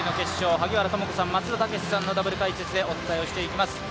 萩原智子さん、松田丈志さんのダブル解説でお伝えします。